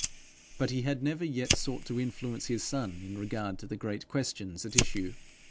But he had never yet sought to influence his son in regard to the great questions at issue.